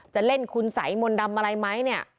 จะเล่นคุณสัยมนต์ดำอะไรไหมเนี่ย